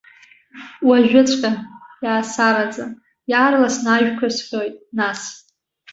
Уажәыҵәҟьа, иаасараӡа, иаарласны ажәқәа схьоит, нас.